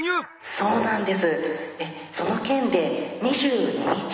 そうなんです。